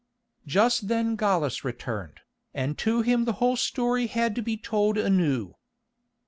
Just then Gallus returned, and to him the whole history had to be told anew.